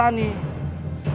jangan berbohong kamu